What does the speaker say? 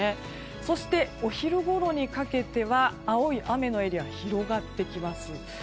そして、お昼ごろにかけては青い雨のエリア広がってきます。